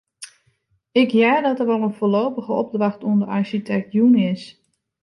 Ik hear dat der al in foarlopige opdracht oan de arsjitekt jûn is.